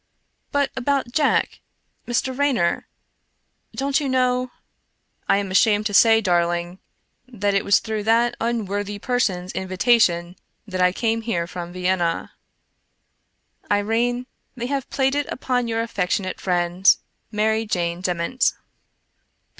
"But about Jack — Mr. Raynor? Don't you know "" I am ashamed to say, darling, that it was through that unworthy person's invitation that I came here from Vienna." Irene, they have played it upon your afifectionate friend, Mary Jane Dement.